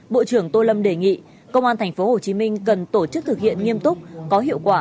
bộ trưởng tô lâm đề nghị công an tp hcm cần tổ chức thực hiện nghiêm túc có hiệu quả